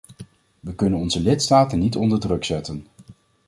We kunnen onze lidstaten niet onder druk zetten.